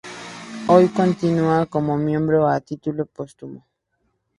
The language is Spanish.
Hoy continúa como miembro a título póstumo.